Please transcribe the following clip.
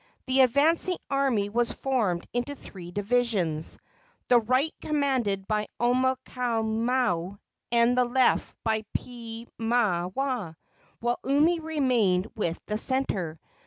The advancing army was formed into three divisions, the right commanded by Omaukamau and the left by Piimaiwaa, while Umi remained with the centre.